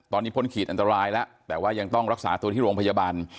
ตอนนี้พ้นขีดอันตรายแล้วแต่ว่ายังต้องรักษาตัวที่โรงพยาบาล